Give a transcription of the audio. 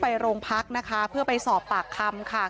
ไปโรงพักนะคะเพื่อไปสอบปากคำค่ะ